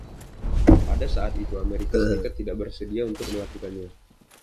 Pada saat itu Amerika Serikat tidak bersedia untuk melakukannya.